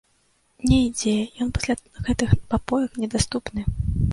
Не ідзе, ён пасля гэтакіх папоек недаступны.